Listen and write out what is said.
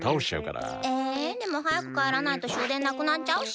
えでもはやくかえらないと終電なくなっちゃうし。